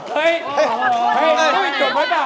จบหรือเปล่า